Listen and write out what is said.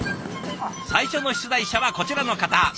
最初の出題者はこちらの方。